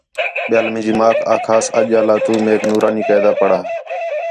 ٻیال منجی ماک آکھاس اَجالا تو میک نورانی قاعدہ پڑھا